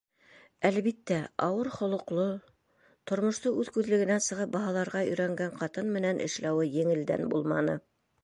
Әлбиттә, ауыр холоҡло, тормошто үҙ күҙлегенән сығып баһаларға өйрәнгән ҡатын менән эшләүе еңелдән булманы.